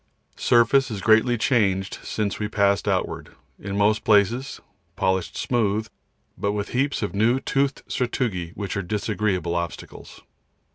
The surface is greatly changed since we passed outward, in most places polished smooth, but with heaps of new toothed sastrugi which are disagreeable obstacles.